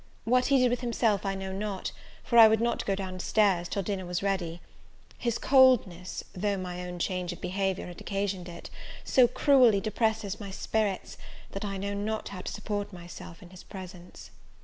What he did with himself I know not, for I would not go down stairs till dinner was ready: his coldness, though my own change of behaviour had occasioned it, so cruelly depresses my spirits, that I know not how to support myself in his presence.